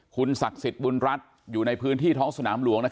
คุณศักดิ์สิทธิ์บุญรัฐอยู่ในพื้นที่ท้องสนามหลวง